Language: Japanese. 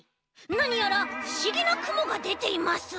なにやらふしぎなくもがでています。